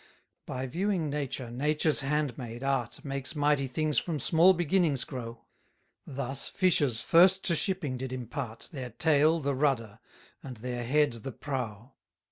155 By viewing Nature, Nature's handmaid, Art, Makes mighty things from small beginnings grow: Thus fishes first to shipping did impart, Their tail the rudder, and their head the prow.